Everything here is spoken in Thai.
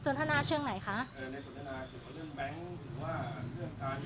ส่วนธนาชื่อ้นไหนคะนี่ส่วนธนาการยนเงิน